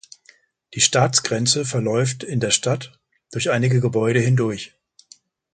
Die Staatsgrenze verläuft in der Stadt durch einige Gebäude hindurch.